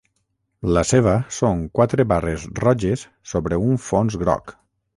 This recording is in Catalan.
La seva són quatre barres roges sobre un fons groc.